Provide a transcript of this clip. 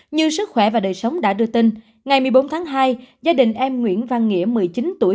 như sức khỏe và đời sống đã đưa tin ngày một mươi bốn tháng hai gia đình em nguyễn văn nghĩa một mươi chín tuổi